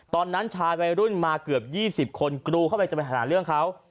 ตอนนั้นชายวัยรุ่นมาเกือบ๒๐คนกรูเข้าไปจะไปหาเรื่องเขา